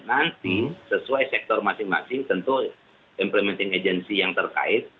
nanti sesuai sektor masing masing tentu implementing agency yang terkait